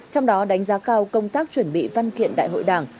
trong đó đánh giá cao công tác chuẩn bị văn kiện đại hội đảng